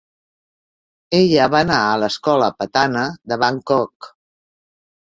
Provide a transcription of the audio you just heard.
Ella va anar a la escola Patana de Bangkok.